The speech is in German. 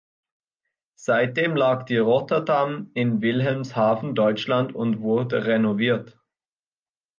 Seitdem lag die "Rotterdam" in Wilhelmshaven, Deutschland und wurde renoviert.